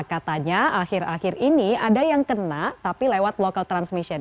katanya akhir akhir ini ada yang kena tapi lewat local transmission